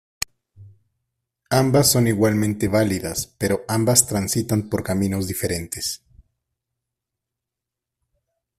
Ambas son igualmente válidas, pero ambas transitan por caminos diferentes.